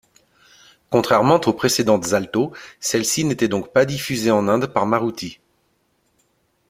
Contrairement aux précédentes Alto, celle-ci n'était donc pas diffusée en Inde par Maruti.